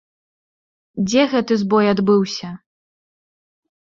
Дзе гэты збой адбыўся?